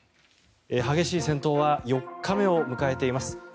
激しい戦闘は４日目を迎えています。